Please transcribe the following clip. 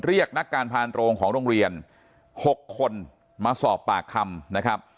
เรียกนักการพานโรงของโรงเรียน๖คนมาสอบปากคำนะครับ